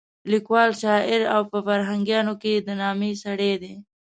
لیکوال، شاعر او په فرهنګیانو کې د نامې سړی دی.